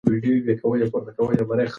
سیلانیان په ویاله کې کښتۍ چلوي.